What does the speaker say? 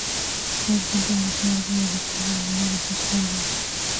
Fue el tiempo más largo dedicado a uno de sus cuadros.